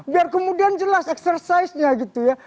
biar kemudian jelas eksersisnya gitu ya